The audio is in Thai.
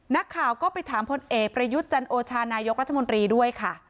นักข่าวก็ไปถามพลเอกประยุทธ์จันโอชานายกรัฐมนตรีด้วยค่ะ